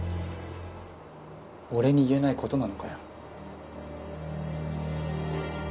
俺に言えないことなのかよ。